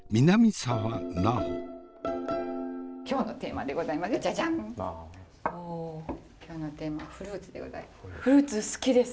今日のテーマはフルーツでございます。